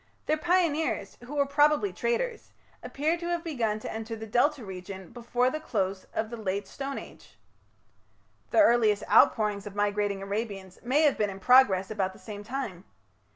Their pioneers, who were probably traders, appear to have begun to enter the Delta region before the close of the Late Stone Age. The earliest outpourings of migrating Arabians may have been in progress about the same time.